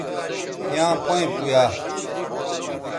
یاں پیئں پویا